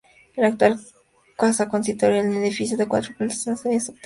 La actual casa consistorial es un edificio de cuatro plantas, una de ellas subterránea.